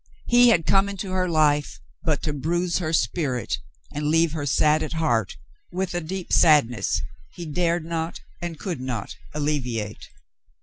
He had come into her life but to bruise her spirit and leave her sad at heart with a deep sadness he dared not and could not alleviate.